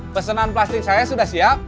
pesanan plastik saya sudah siap